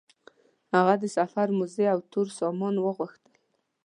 هغه د سفر موزې او تور سامان وغوښتل.